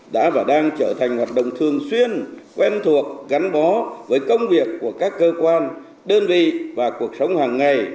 đã và đang trở thành hoạt động thường xuyên quen thuộc gắn bó với công việc của các cơ quan đơn vị và cuộc sống hàng ngày